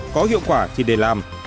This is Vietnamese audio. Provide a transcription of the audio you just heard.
có hiệu quả thì để làm